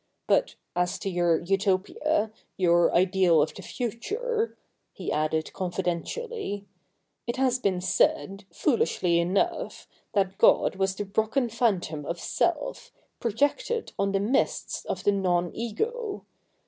But as to your Utopia, your ideal of the future —' he added confidentially, 'it has been said, foolishly enough, that God was the Brocken phantom of self, projected on the mists of the noji ego.